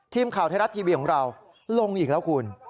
ทีมข่าวไทยรัฐทีวีของเราลงอีกแล้วคุณ